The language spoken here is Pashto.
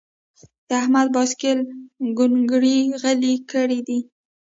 د احمد باسکل کونګري غلي کړي دي.